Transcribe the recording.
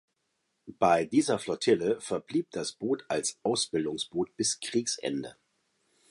Bei dieser Flottille verblieb das Boot als Ausbildungsboot bis Kriegsende.